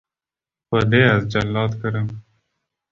- Xwedê ez celat kirim.